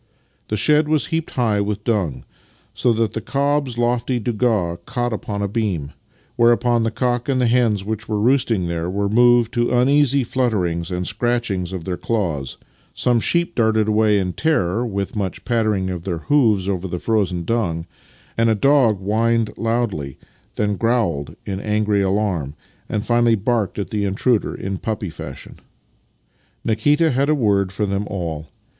The shed was heaped high with dung, so that the cob's lofty douga caught upon a beam ; whereupon the cock and hens which were roosting there were moved to uneasy flutterings and scratchings of their claws, some sheep darted away in terror, with much pattering of their hoofs over the frozen dung, and a dog whined loudly, then growled in angry alarm, and finally barked at the intruder in puppy fashion. Nikita had a word for them all.